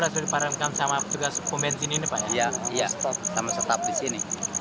sekitar sepuluh menitan